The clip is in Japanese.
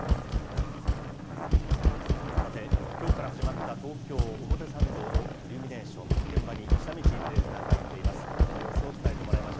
さて、きょうから始まった、東京・表参道のイルミネーション、現場に下道ディレクターが行っています。